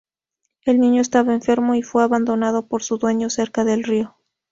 El niño estaba enfermo, y fue abandonado por su dueño cerca del río.